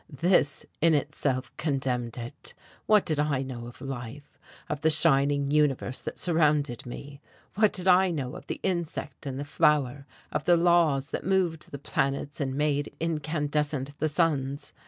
This in itself condemned it. What did I know of life? of the shining universe that surrounded me? What did I know of the insect and the flower, of the laws that moved the planets and made incandescent the suns?